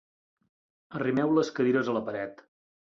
Arrimeu les cadires a la paret.